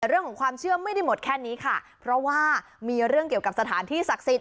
แต่เรื่องของความเชื่อไม่ได้หมดแค่นี้ค่ะเพราะว่ามีเรื่องเกี่ยวกับสถานที่ศักดิ์สิทธิ